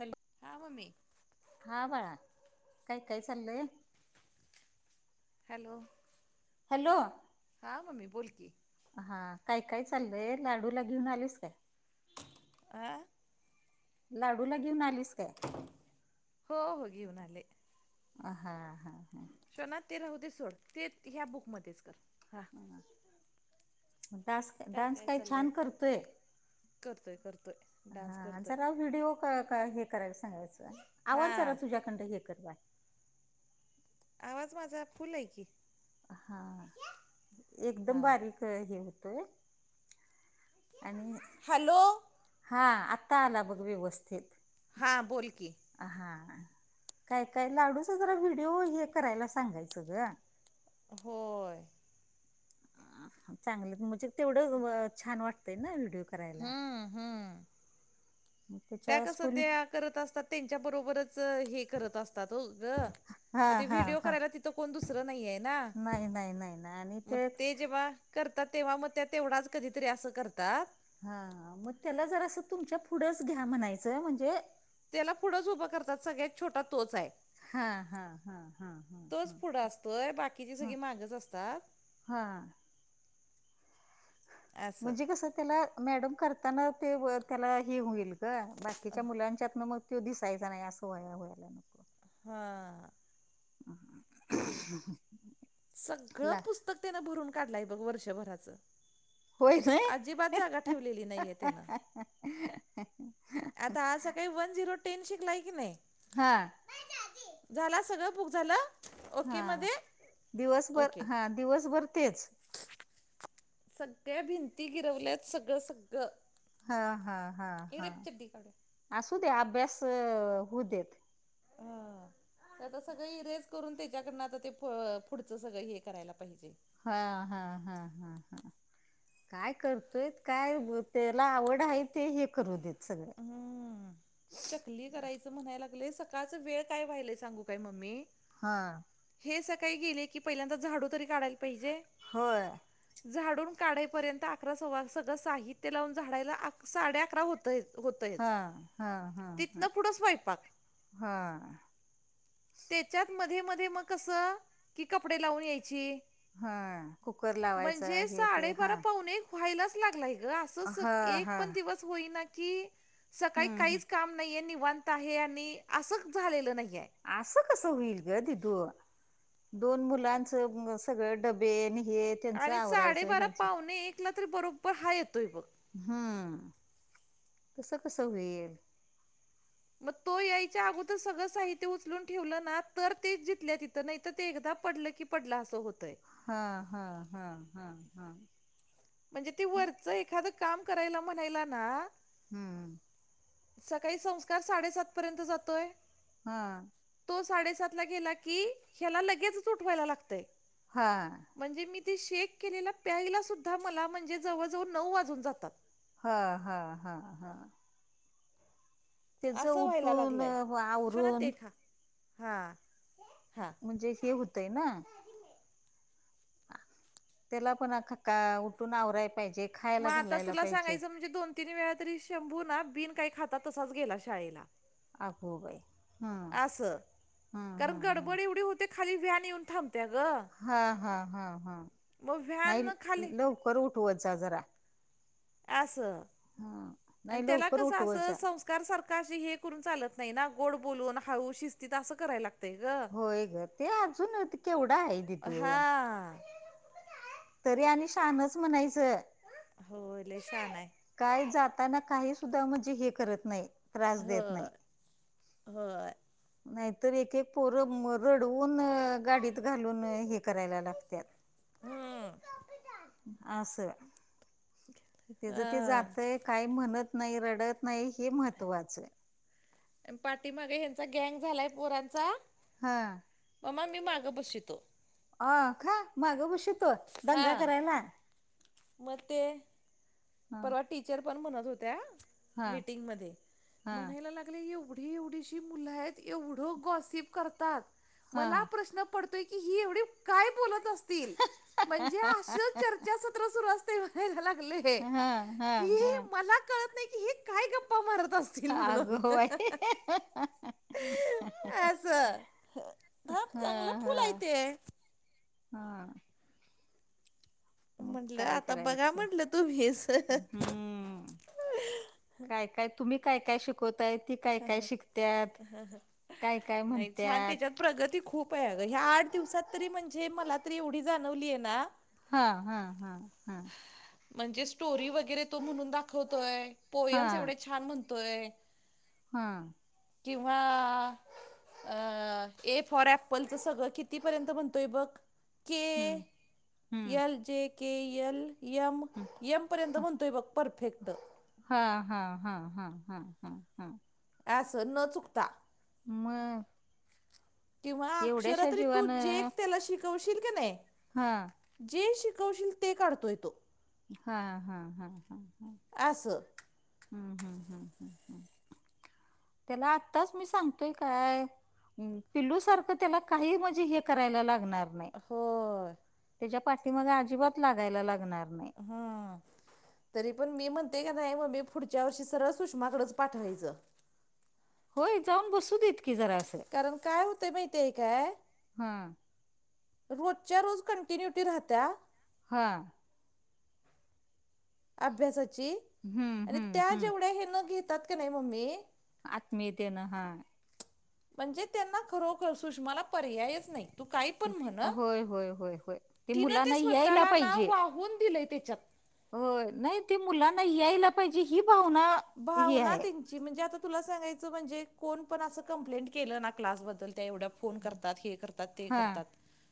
Hello हा mummy हा बाळा, काय काय चाललंय हॅलो हॅलो हा मम्मी बोलकी- हा काय काय चाललंय लाडूला घेऊन आलेस काय? हा का लाडूला घेऊन आलीस काय. हो हो घेऊन आले. अ हा हा हा शोना ते राहुदे सोड ते ह्या बुकमध्येध्येच कर. हा डान्स, डान्स काय छान करतोय. करतोय, करतोय डान्स हा करतोय. जरा व्हिडिओ काय हे काय करायला सांगायचं आवाज जरा हां तुझ्याकडं हे कर बाई. आवाज माझा फुल आहे की. हा एकदम हां बारीक हे होतोय. आणि हॅलो! हा आत्ता आला बघ व्यवस्थित. हां बोल की, हा काय काय लाडूच जरा व्हिडिओ हे करायला सांगायचं गं. हो चांगलं म्हणजे तेवढं छान वाटतंय ना व्हिडिओ करायला. हम्म हम्म मग त्या त्याच्या कस स्कूल त्या करत असतात त्यांच्या बरोबरच हे करत असतात गं हा मग ते हा व्हिडिओ हा करायला तिथं कोण दुसरं नाही आहे ना नाही नाही नाही नाही आणि मग ते जेव्हा करतात तेव्हा मग त्या तेवढाच कधीतरी असं करतात. हा मग त्याला जर असं तुमच्या पुढंच घ्या म्हणायचं म्हणजे. त्याला पुढंच उभं करतात सगळ्यात छोटा तोच आहे. हा हा हा हा हा हा तोच पुढं असतोय बाकीची हा सगळी मागच असतात. हा असं म्हणजे कस त्याला मॅडम करताना ते त्याला हे होईल. बाकीच्या मुलांच्यात ना मग तो दिसायचा नाही असं वया व्हायला नको. हां [inaudible] सगळं ला पुस्तक त्यानं भरून काढलंय बघ वर्षभराचं. होय नाही अजिबात जागा ठेवलेली नाहीये त्यानं. आता आज सकाळी वन झिरो टेन शिकलाय की नाही. हा झाला सगळं बुक झालं. ओके हा मध्ये दिवसभर ओके हा दिवसभर तेच. सगळे भिंती गिरवल्यात सगळं सगळं. हा हा हा हा इकडे चड्डी काढूया असू दे अभ्यास होऊ देत. [inaudible] ते आता सगळ इरेज करून त्याच्याकडनं आता ते पुढचं सगळं हे करायला पाहिजे. हा हा हा हा हा करतोय काय त्याला आवड ते हे. करू देत सगळं. हम्म. करायचं म्हणायला लागलेय सकाळच वेळ काय वहिय सांगू काय मम्मी. हां हे संकाळी गेले की पहिल्यांदा झाडू तरी काढायला पाहिजे. होय. झाडून काढापर्यंत अकरा सव सगळं साहित्य लावून झाडाला साड्या अक होतय हा होतयच हा हा तिथ हा ना पुढं स्वयंपाक हा त्याच्यात मध्ये मध्ये मग कस कि कपडे लावून यायची. हा कुकर लावायचा म्हणजे हे ते हा साडेबारा पाहुणे एक व्हायलाच लागलाय ग असं असं हा एक हा पण दिवस होईना की सकाळी हम्म हम्म काहीच काम नाहीये निवांत आहे आणि असंच झालेलं नाहीये. अस कस होईल ग दिदु दोन मुलांचं अ सगळं डबे न हे त्यांचं आणि आवरायचं साडेबारा ह्यांचं पावणे एकला तर बरोबर हा येतोय बघ. हम्म तस कसं होईल मग तो यायच्या अगोदर सगळं साहित्य उचलून ठेवलं ना तर तेच जितल्या तिथं नाही तर ते एकदा पडलं की पडल असं होतंय हा हा हा हा हा म्हणजे ते वरचं एखादं काम करायला म्हणायला ना. हम्म सकाळी संस्कार साडेसात पर्यंत जातोय. हा तो साडेसात ला गेला की ह्याला लगेचच उठवायला लागतय. हा म्हणजे मी ते शेक केलेला प्यायला सुद्धा मला म्हणजे जवळजवळ नऊ वाजून जातात. हा हा हा हा त्याच असं व्हायला उठून लागलंय अ, शो ना आवरून ते खा हा हा. म्हणजे हे होतय ना. त्याला पण आ का उठून आवरायला पाहिजे. खायला मग आता घालायला तुला पाहिजे सांगायचं म्हणजे दोन तीन वेळा तरी शंभू ना बिन काही खाता तसाच गेला शाळेला अगो बाई हम्म अस हम्म कारण हम्म हम्म गडबड एवढी होती. ते खाली वॅन येऊन थांबते्या ग हा हा हा हा मग व्हॅन नाही खाली लवकर उठवत जा जरा. अस हा आणि नाही त्याला लवकर कसं उठवत असं जा संस् सरकार सरकारशी हे करून चालत नाही ना गोड बोलून हाळू शिस्तीत असं कराय लागतंय ग. होय ग ते अजून केवढा आहे तिथून हा तरी आणि शहाणच म्हणायचं हो ले शहाणा ये. काय जाताना काही सुद्धा म्हणजे हे करत नाही. त्रास देत नाही होय, होय. नाहीतर एक एक पोरं रडवून गाडीत घालून हे करायला लागत्यात. हम्म, अस ते हा. जातय काही म्हणत नाही रडत नाही हे महत्त्वाचं ये. पाठीमागे ह्यांचा गँग झालाय पोरांचा. हा ममा मी माग बसवीतो अ खा मागं बसवितो दंगा हा. करायला. मग ते हा परवा टीचर पण म्हणत होत्या. हा मीटिंग मध्ये हा म्हणायला लागले एवढे. ही एवढीशी मुल एवढ गॉसिब ग करतात मला हा प्रश्न पडतोय की एवढ काय बोलत असतिल म्हणजे असं चर्चा सत्र सुरु असतय म्हयला लागले हा हा की हा मला कळत नाही की हे काय गप्पा मारत असते अग बाई असं हं हा चांगलं फुल हा आहे ते हा.. मग म्हंटलं काय आता बघा करायचं म्हटलं तुम्हीच.. हम्म काय काय तुम्ही काय काय शिक शिकवताय ती काय काय शिकतात काय काय नाही छान म्हणत्यात?? त्याच्यात प्रगती खूप आहे अगं ह्या आठ दिवसात तरी म्हणजे मला तरी एवढी जाणवलीय ना.. हा हा हा.. हा म्हणजे स्टोरी वगैरे तो म्हणून दाखवतोय पोयमस हा एवढे छान म्हणतो होय.. हा.. किंव्हा अ ए फोर एप्पल च सगळं कितीपर्यंत म्हणतोय बघ K hmm hmm L J K L M पर्यंत म्हणतोय बघ पर्फेक्ट हा हा हा हा हा हा हा....... अस न चुकता म किंवा अक्षर तरी तू जीवानं जेक त्याला शिकवशील की नाही हा.. जे शिकवशील ते काढतो तो हा हा हा हा हा... अस हम्म हम्म हम् हम् हम्... त्याला आताच मी सांगतोय काय? पिलू सारखं त्याला काही म्हणजे हे करायला लागणार नाही होय.. त्याच्या पाठीमाग अजिबात लागायला लागणार नाही.. हा.. तरी पण मी म्हणते का नाही मग मी पुढच्या वर्षी सरळ सुषमाकडच पाठवायचं.. होय जाऊन बसू देत की जरा असं कारण काय होतंय माहिती आहे काय हा रोजच्या रोज कंटिन्युटी राहत्या हा.. अभ्यासाची हम्म आणि हम्म त्या हम्म जेवढ्या हे न घेतात का नाही मम्मी आत्मीयतेन हा म्हणजे त्यांना खरोखर सुषमाला पर्यायच नाही तू काही पण म्हण हं, होय होय होय होय तिनं ते मुलांना यायला स्वतःला ना वाहून दिलय त्याच्यात हो नाही ते मुलांना यायला पाहिजे ही भावना ही भावना आहे त्यांची जे म्हणजे आता तुला सांगायचं म्हणजे, कोण पण असं कंप्लेंट केलं ना क्लासबद्दल त्या एवढं फोन करतात, हे करतात, ते हा करतात.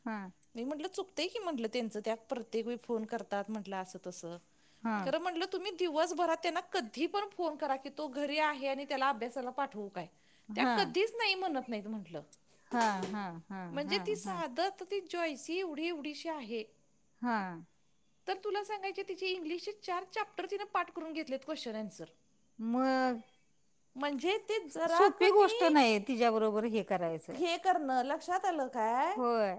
हा नाही म्हटलं चुकतय की म्हटलं त्यांच त्या, प्रत्येक व फोन करतात म्हटलं असं तसं. हा खरं म्हटल तुम्ही दिवसभरात त्यांना कधी कधी पण फोन करा की, तो घरी आहे. त्याला अभ्यासाला पाठवू काय त्या हा कधी च नाही म्हणत नाही त म्हटलं. हा हा हा हा हा. आ ती जॉयसी एवढी एवढीशी आहे. हा. तर तुला सांगायचे तिचे इंग्लिश चार चॅप्टर तिनें पाठ करून घेतलेत क्वेश्चन अन्सर. मग. ते जरा सोपी गोष्ट कमी नाही तिच्या बरोबर हे करायचं? करण लक्षात आलं काय? होय.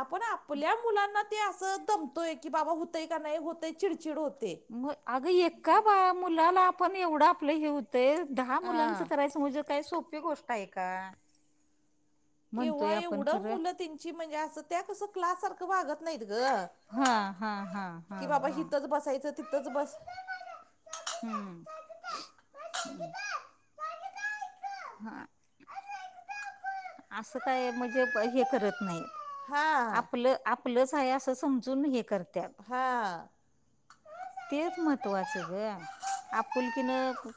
आपण आपल्या मुलांना ते असं दमतोय की, बाबा होतय का नाही होतय चिडचिड होते. मग अगं एका बा मुलाला आपण एवढं आपलं हे हु तय ते दहा मुलांचं हा करायचं म्हणजे काय सोपी गोष्ट आहे का? म्हणतोय केव्हा आपण एवढं खरं मुलं त्यांची म्हणजे असं त्या कसं क्लास सारखं वागत नाहीत ग. हा हा हा हा हा. बसायच. तिथंच बस. हम्म. [unintelligible] हा असं काय म्हणजे हे करत नाहीत? हा आपलं आपलंच आहे अस समजून हे करत हा. तेच महत्त्वाचं ग, आपुलकीन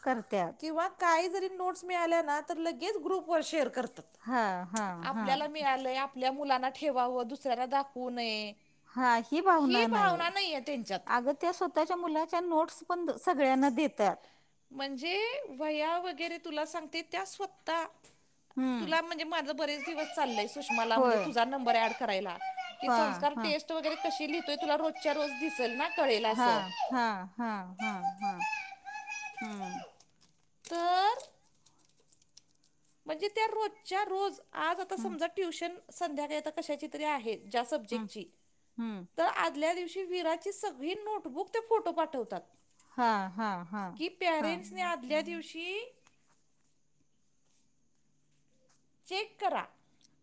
करत्यात. किंवा काही जरी नोट्स मिळाल्या ना तर लगेच ग्रुपवर शेअर करतात. हां, हां, हां. आपल्याला मिळालंय आपल्या मुलांना ठेवावं, दुसऱ्याला दाखवू नये. हा ही भावना नाहीये. नाही आहे त्यांच्यात अग त्या स्वतःच्या मुलाच्या नोट्स पण सगळ्यांना देतात. म्हणजे वह्या वगैरे तुला सांगते त्या हं, स्वतःतुला म्हणजे माझं बरंच दिवस चाललंय, सुषमाला म्हणजे होय. तुझा नंबर ॲड करायला जी हां, संस्कार हां. टेस्ट च वगैरे कशी लिहीतोय तुला रोजच्या रोज दिसेल ना? कळेल हा असं हा हा हा हा हम्म. तर म्हणजे त्या रोजच्या रोज आज आता हं, समजा ट्युशन संध्याकाळी आता कशाची तरी आहेत ज्या हं, सब्जेक्टची हं. तर आदल्या दिवशी वीराची सगळी नोटबुक ते फोटो पाठवतात. हां, हां, हां. कि हां, पॅरेंट्स न आदल्या दिवशी चेक करा.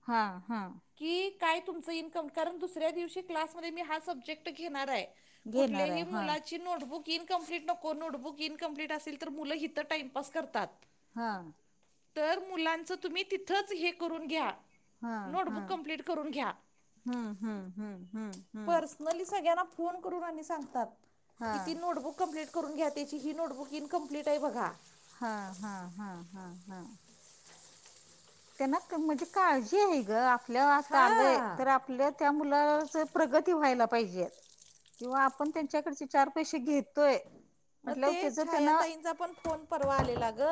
हा हा. की काय तुमचं इन्कम. कारण दुसऱ्या दिवशी क्लासमध्ये मी हा सब्जेक्ट घेणार आहे. घेणार आहे कुठल्याही हा मुला नोटबुक इनकमप्लीट नको, नोटबुक इनकमप्लीट असेल तर, मुलं हितं टाइमपास करतात. हा. तर मुलांचं तुम्ही तिथंच हे करून घ्या. हा हा नोटबुक कंप्लीट करून घ्या हम्म हम्म हम्म हम्म हम्म. नली सगळ्यांना फोन करून आणि सांगतात, हा किती नोटबुकऽ कम्प्लीट करून घ्या त्याची, हीची नोटबुक इनकमप्लीट आहे बघा. हा हा हा हा हा... त्यांना म्हणजे काळजी आहे ग, आपल्या आात आलंय हां तर आपऽ.. त्या मुलाच प्रगती व्हायला पाहिजे. किंवा आपण त्यांच्याकडचे चार पैसे घेतोय, मग ते म्हटल्यावर त्याच छाया त्यांना ताईंचा पण फोन परवा आलेला ग,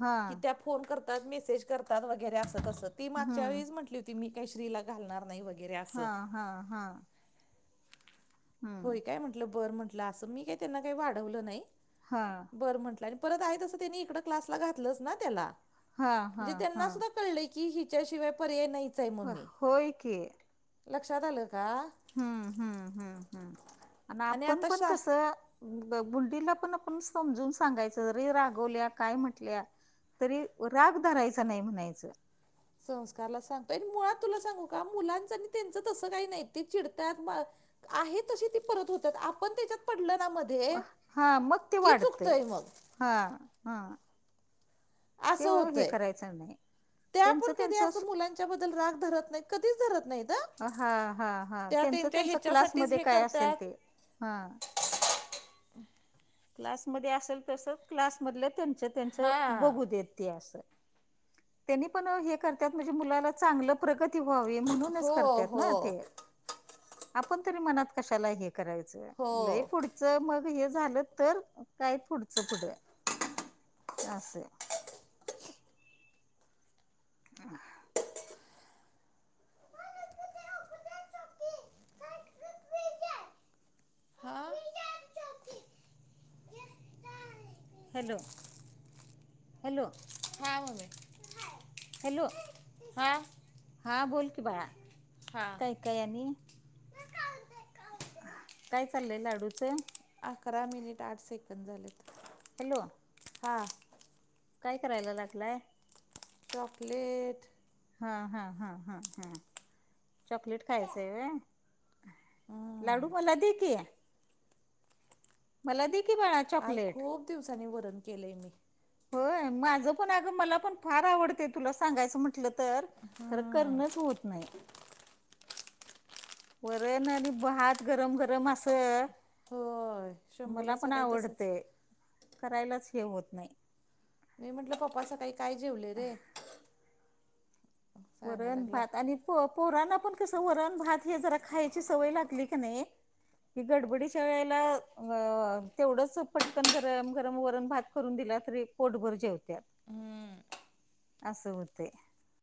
हा की त्याऽ. फोन करतात मेसेज करतात वगैरे असत, अससं ती मागच्या हम्म वेळीच म्हंटली होती मी काही श्रीला घालणार नाही. वगैरे हा असं हा हा... हम्म होय काय, म्हटलं बरं म्हंटलं असं मी काही त्यांना काही वाढवलं नाही. हां. बरं म्हंटलं, आणि परत आहे तसं त्यांनी इकड क्लासला घातलंच ना त्याला, हा हा जिथ हा कळलंय की हिच्याशिवाय पर्याय नाहीचय हा मम्मी, होय की लक्षात आलं का. हम्म हम्म हम्म हम्म, आणि आपण आता पण शा कसं, बुंडीला पण आपण समजून सांगायचं, रे रागवल्या काय म्हटल्या, तरी राग धरायचा नाही म्हणायचं. संस्कारला सांगतो, आणि मुळात तुला सांगू का मुलांच आणि त्यांच तसं काही नाही ते चिडतात, आहे तशी तेी परत होतात, आपण त्याच्यात पडलं ना मऽ हा मग ते वाढतय, मग हा हा. ते असं हे होतय, करायचं नाही ते त्यांचं आपण कधी त्यांचं अस स- मुलांऽ च्याबद्दल राग धरत नाही, कधीच धरत नाही हं. हा हा,, त्या त्यांचं त्यांच्या त्यांच ह्याच्यासाठीच क्लासमध्ये हे काय असेल करतात ते, हा, क्लासमध्ये असलं तसं, क्लासमधलं त्यांच त्यांच हा बघू देत ते असं. त्यांनी पन हे करत्यात, म्हणजे मुलाला चांगलं, प्रगती व्हावी म्हणूनच हो करत ना हो ते, आपण तरी मनात कशाला, करायचं, लय हो पुढच मग हे झालं तर काय पुढचं पुढ. आसं. अ हा हॅलो! ! हॅलो. हा बोला की., हॅलो. ! ! हां. हा बोल की बाळा, हा काय काय यांनी, काय चाललंय लाडूचं? अकरा मिनिट आठ सेकंद झालेत. हॅलो. हा. काय करायला लागलाय? चॉकलेट. हा हा हा हा हा, चॉकलेट खायचं हाय वय. लाडू मलादी की ‌. मला दे की, बाळा चॉकलेट. दिवसाांनी वरण केलय मी. होय, माझं पण अगं मला पण फार आवडतय, तुला म्हटलं खरं करणंच होत नाही. वरण आणि आणि भात गरम गरम अस, होय मला शंभूला पण सकाळी तसंच आवडते्य, करायलाच हे होत नाही. मी म्हटल पप्पा सकाळी काय जेवले रे. सांगायला वरण लागलाय भात आणि प पोरांना पण कस वरण भात हे जरा खायची सवय लागली की नाही. गड़बड़ीच्या वेळेला अ तेवढंच पटकन गरम वरण, भात करून दिला तरी पोटभर जेवत्यात. हम्म. अस होतेय.